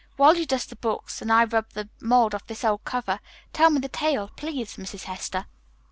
While you dust the books and I rub the mold off this old cover, tell me the tale, please, Mrs. Hester."